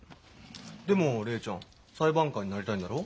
でも怜ちゃん裁判官になりたいんだろ？